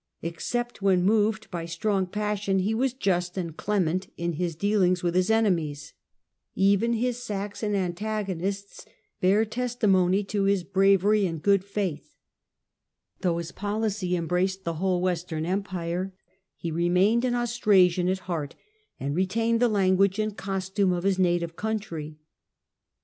Except when moved by strong j passion, he was just and clement in his dealings with his enemies. Even his Saxon antagonists bear testi 10 145 146 THE DAWN OF MEDIEVAL EUROPE mony to his bravery and good faith. Though his policy embraced the whole Western Empire, he remained an Austrasian at heart, and retained the language and costume of his native country.